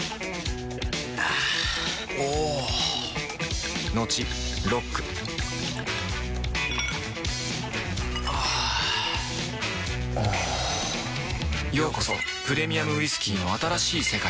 あぁおぉトクトクあぁおぉようこそプレミアムウイスキーの新しい世界へ